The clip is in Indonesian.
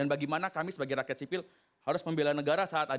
dan bagaimana kami sebagai rakyat sipil harus membelai negara saat ada